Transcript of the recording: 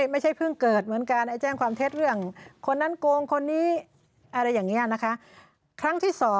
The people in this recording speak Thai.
มันเห็นเรื่องคนนั้นโกงคนนี้อะไรอย่างนี้นะคะครั้งที่๐